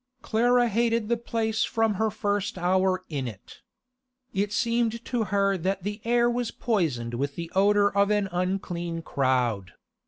Clara hated the place from her first hour in it. It seemed to her that the air was poisoned with the odour of an unclean crowd.